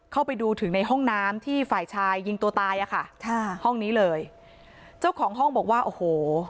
เข้าไปดูถึงในห้องน้ำที่ฝ่ายชายยิงตัวตายอ่ะค่ะห้องนี้เลยเจ้าของห้องบอกว่าโอ้โห